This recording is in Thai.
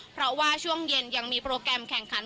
เพราะว่าช่วงเย็นยังมีโปรแกรมแข่งขัน